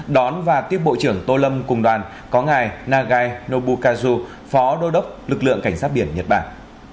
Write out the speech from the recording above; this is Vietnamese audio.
đón và tiếp bộ trưởng tô lâm cùng đoàn có ngài nagabu kazu phó đô đốc lực lượng cảnh sát biển nhật bản